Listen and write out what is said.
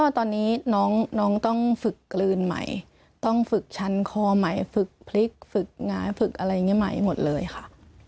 ตอนนี้น้องต้องฝึกกลืนใหม่ต้องฝึกชั้นคอใหม่ฝึกพลิกฝึกหงายฝึกอะไรอย่างนี้ใหม่หมดเลยค่ะ